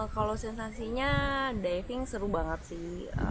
kalau sensasinya diving seru banget sih